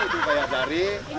itu kayak jari